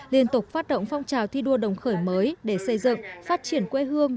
liên tục phát động phong trào thi đua đồng khởi mới để xây dựng phát triển quê hương